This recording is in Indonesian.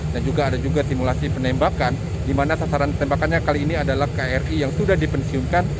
dan juga ada juga simulasi penembakan di mana sasaran tembakannya kali ini adalah kri yang sudah dipensiunkan